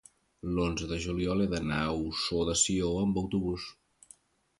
l'onze de juliol he d'anar a Ossó de Sió amb autobús.